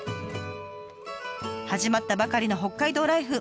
始まったばかりの北海道ライフ。